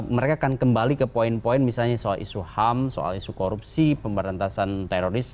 mereka akan kembali ke poin poin misalnya soal isu ham soal isu korupsi pemberantasan teroris